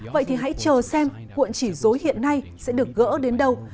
vậy thì hãy chờ xem cuộn chỉ dối hiện nay sẽ được gỡ đến đâu